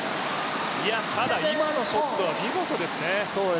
ただ今のショットは見事ですね。